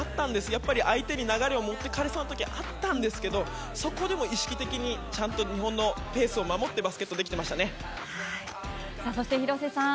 やっぱり相手に流れを持っていかれそうな時もあったんですがそこでも意識的にちゃんと日本のペースを守ってそして、広瀬さん。